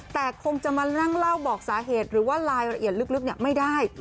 แต่คงจะมานั่งเล่าบอกสาเหตุหรือว่ารายละเอียดลึกไม่ได้